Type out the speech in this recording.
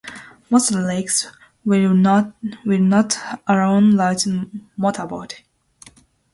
Most lakes will not allow large motorboats.